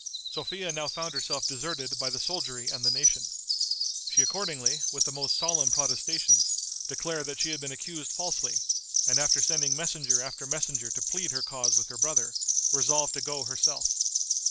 Sophia now found herself deserted by the soldiery and the nation. She accordingly, with the most solemn protestations, declared that she had been accused falsely, and after sending messenger after messenger to plead her cause with her brother, resolved to go herself.